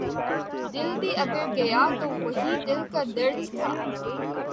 دل بھی اگر گیا تو وہی دل کا درد تھا